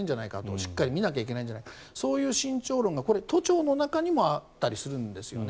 しっかり見なきゃいけないんじゃないかとそういう慎重論が都庁の中にもあったりするんですね。